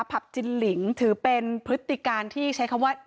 ผับจินหลิงถือเป็นพฤติการที่ใช้คำว่า